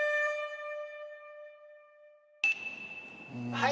はい！